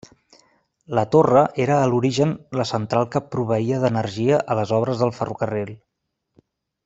La torre era a l'origen la central que proveïa d'energia a les obres del ferrocarril.